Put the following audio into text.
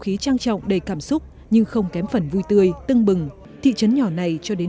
khí trang trọng đầy cảm xúc nhưng không kém phần vui tươi tưng bừng thị trấn nhỏ này cho đến